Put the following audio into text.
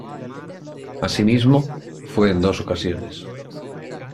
Asimismo, fue en dos ocasiones.